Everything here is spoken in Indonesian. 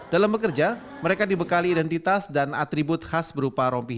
dalam bekerja mereka dibekali identitas dan atribut khas berupa rompi